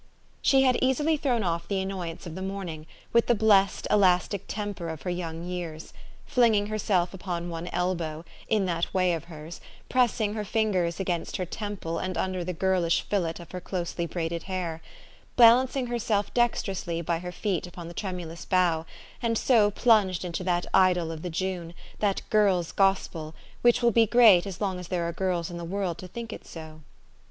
She had easily thrown off the annoyance of the morning, with the blessed, elastic temper of her young years ; flinging herself upon one elbow, in that way of hers, pressing her fingers against her temple and under the girlish fillet of her closely braided hair, balancing herself dexterously by her feet upon the tremulous bough, and so plunged into that idyl of the June, that girls' gospel, which will be great as long as there are girls in the world to think it so.